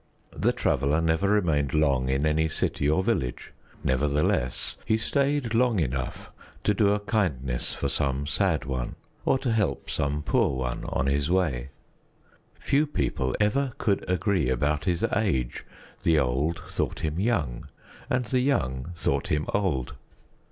The Traveler never remained long in any city or village, nevertheless he stayed long enough to do a kindness for some sad one, or to help some poor one on his way. Few people ever could agree about his age; the old thought him young, and the young thought him old.